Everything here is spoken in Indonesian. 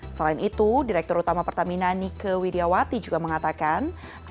selain itu direktur utama pertamina nike widiawati juga mengatakan